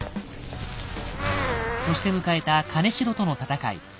そして迎えた金城との戦い。